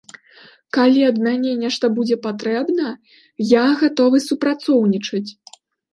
Калі ад мяне нешта будзе патрэбна, я гатовы супрацоўнічаць.